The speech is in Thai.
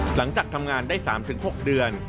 หลังจากทำงานได้๓๖เดือน